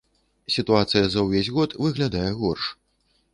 Сітуацыя за ўвесь год выглядае горш.